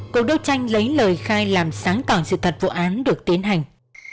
cổ đấu tranh lấy lời khai làm sáng tỏa sự thật vụ án được tiến hành